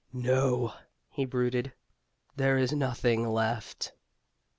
"No," he brooded, "there is nothing left."